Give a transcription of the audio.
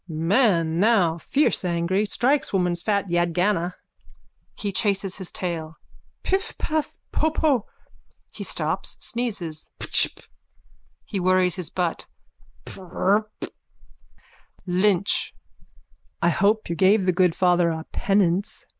Man, now fierce angry, strikes woman's fat yadgana. (He chases his tail.) Piffpaff! Popo! (He stops, sneezes.) Pchp! (He worries his butt.) Prrrrrht! LYNCH: I hope you gave the good father a penance.